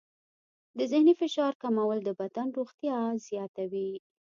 د ذهني فشار کمول د بدن روغتیا زیاتوي.